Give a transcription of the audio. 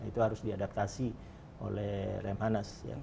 itu harus diadaptasi oleh lemhanas